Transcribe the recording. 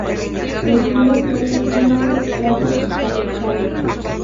Prefiere suelos húmedos, prados y pastizales.